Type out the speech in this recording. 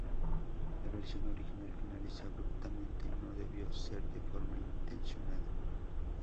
La versión original finaliza abruptamente y no debió ser de forma intencionada.